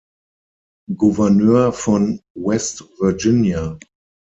Gouverneur von West Virginia.